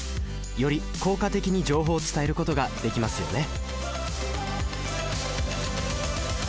より効果的に情報を伝えることができますよね